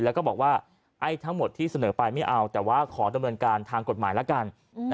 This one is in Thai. แล้วก็บอกว่าไอ้ทั้งหมดที่เสนอไปไม่เอาแต่ว่าขอดำเนินการทางกฎหมายแล้วกัน